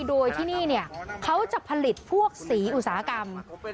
โดยที่นี่เขาจะผลิตพวกสีอุตสาหกรรม